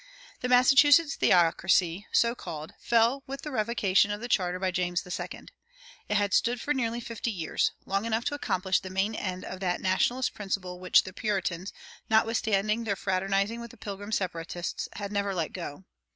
The Massachusetts theocracy, so called, fell with the revocation of the charter by James II. It had stood for nearly fifty years long enough to accomplish the main end of that Nationalist principle which the Puritans, notwithstanding their fraternizing with the Pilgrim Separatists, had never let go.